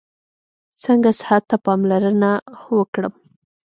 څنګه صحت ته پاملرنه وکړم؟